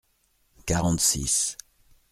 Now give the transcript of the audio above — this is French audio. Quarante-six.